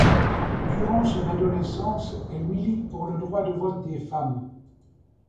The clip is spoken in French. Durant son adolescence, elle milite pour le droit de vote des femmes.